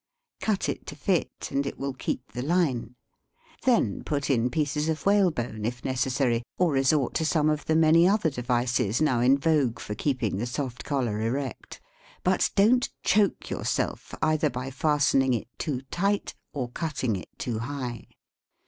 Cut it to fit, and it will keep the line; then put in pieces of whalebone, if necessary, or resort to some of the many other devices now in vogue for keeping the soft collar erect, but don't choke yourself, either by fastening it too tight or cutting it too high.